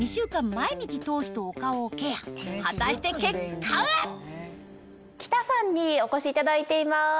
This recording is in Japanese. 毎日頭皮とお顔をケア喜多さんにお越しいただいています。